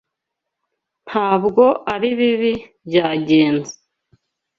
Ntabwo aribi byagenze.